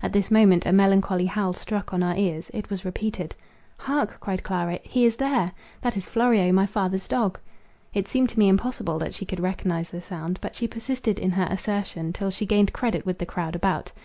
At this moment a melancholy howl struck on our ears; it was repeated; "Hark!" cried Clara, "he is there; that is Florio, my father's dog." It seemed to me impossible that she could recognise the sound, but she persisted in her assertion till she gained credit with the crowd about.